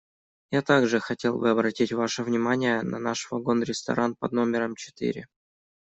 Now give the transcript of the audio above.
Я также хотел бы обратить ваше внимание на наш вагон-ресторан под номером четыре.